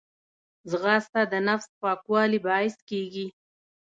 ځغاسته د نفس پاکوالي باعث کېږي